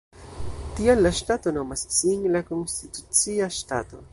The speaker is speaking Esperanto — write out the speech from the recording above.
Tial la ŝtato nomas sin "La Konstitucia Ŝtato".